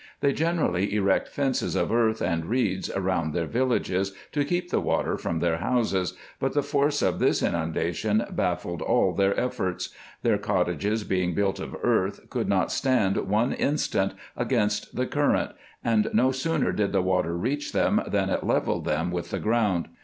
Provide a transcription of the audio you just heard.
They generally erect fences of earth and reeds around their villages, to keep the water from their houses ; but the force of this inundation baffled all their efforts. Their cottages, being built of earth, could not stand one instant against the current, and no sooner did the water reach them, than it levelled them with the ground.